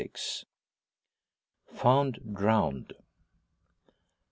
FOUND DROWNED.